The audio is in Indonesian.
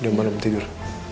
udah malam tidur